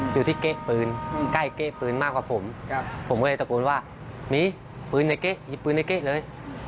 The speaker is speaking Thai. อยู่ที่เก๊กปืนใกล้เก๊ปืนมากกว่าผมผมก็เลยตะโกนว่าหนีปืนอย่าเก๊ะหยิบปืนในเก๊ะเลย